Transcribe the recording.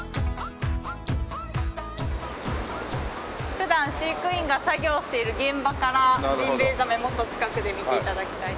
普段飼育員が作業をしている現場からジンベエザメもっと近くで見て頂きたいと思います。